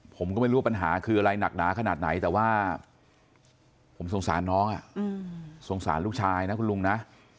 ผมก็ไม่รู้ว่าปัญหาคืออะไรหนักหนาขนาดไหนแต่ว่าผมสงสารน้องสงสารลูกชายนะคุณลุงนะ